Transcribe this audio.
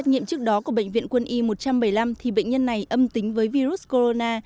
trước đó của bệnh viện quân y một trăm bảy mươi năm thì bệnh nhân này âm tính với virus corona